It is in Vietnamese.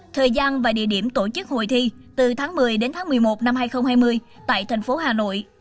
thời gian và địa điểm tổ chức hội thi từ tháng một mươi đến tháng một mươi một năm hai nghìn hai mươi tại thành phố hà nội